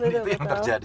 itu yang terjadi